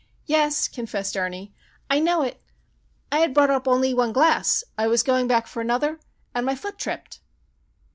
"Yes," confessed Ernie. "I know it. I had brought up only one glass. I was going back for another, and my foot tripped."